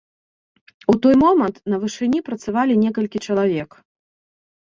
У той момант на вышыні працавалі некалькі чалавек.